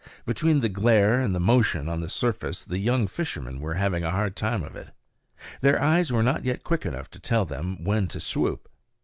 Between the glare and the motion on the surface the young fishermen were having a hard time of it. Their eyes were not yet quick enough to tell them when to swoop.